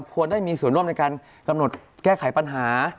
ควรได้มีส่วนร่วมในการกำหนดแก้ไขปัญหา